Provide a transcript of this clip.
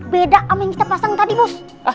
beda sama yang kita pasang tadi bos